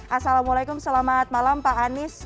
assalamualaikum selamat malam pak anies